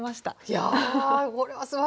いやこれはすばらしい。